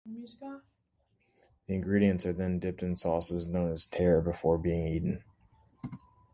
The ingredients are then dipped in sauces known as "tare" before being eaten.